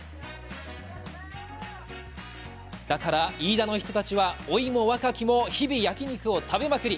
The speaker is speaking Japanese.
だから、飯田の人たちは老いも若きも日々、焼肉を食べまくり。